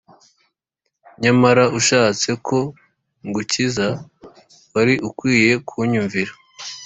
Nyamara ushatse ko ngukiza wari ukwiye kunyumvira